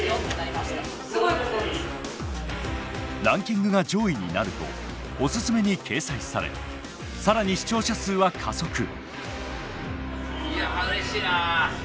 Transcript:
ランキングが上位になるとおすすめに掲載され更に視聴者数は加速。